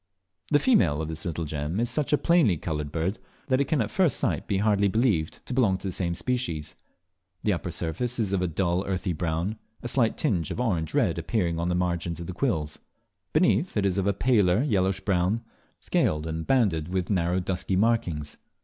The female of this little gem is such a plainly coloured bird, that it can at first sight hardly be believed to belong to the same species. The upper surface is of a dull earthy brown, a slight tinge of orange red appearing only on the margins of the quills. Beneath, it is of a paler yellowish brown, scaled and banded with narrow dusky markings.